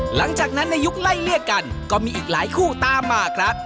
หลังจากนั้นในยุคไล่เลี่ยกันก็มีอีกหลายคู่ตามมาครับ